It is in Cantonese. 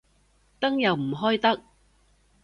燈又唔開得